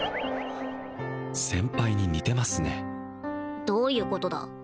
先輩に似てますねどういうことだ